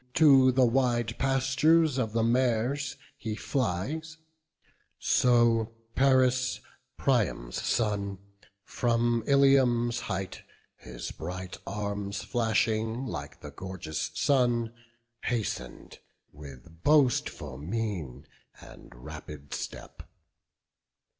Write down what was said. To the wide pastures of the mares he flies; So Paris, Priam's son, from Ilium's height, His bright arms flashing like the gorgeous sun, Hasten'd, with boastful mien, and rapid step.